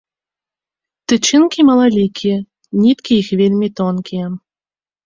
Тычынкі малалікія, ніткі іх вельмі тонкія.